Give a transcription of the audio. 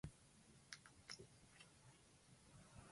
ブルガリアの首都はソフィアである